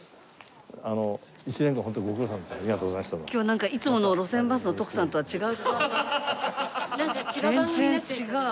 今日なんかいつもの『路線バス』の徳さんとは違う顔が。